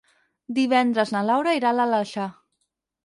Divendres na Laura irà a l'Aleixar.